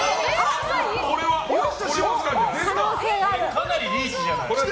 かなりリーチじゃない？